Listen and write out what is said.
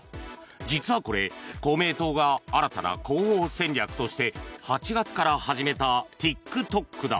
実はこれ、公明党が新たな広報戦略として８月から始めたＴｉｋＴｏｋだ。